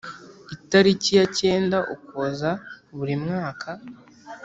Itariki ya cyenda Ukuboza buri mwaka,